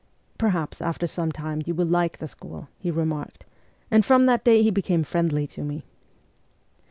' Perhaps, after some time, you will like the school,' he remarked, and from that day he became friendly to me.